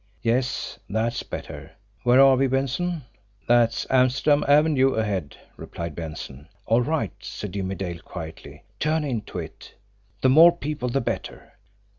Yes; that's better. Where are we, Benson?" "That's Amsterdam Avenue ahead," replied Benson. "All right," said Jimmie Dale quietly. "Turn into it. The more people the better.